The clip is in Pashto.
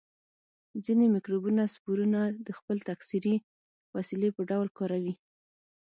ځینې مکروبونه سپورونه د خپل تکثري وسیلې په ډول کاروي.